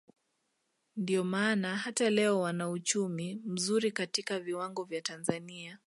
ndio maana hata leo wana uchumi mzuri katika viwango vya Tanzania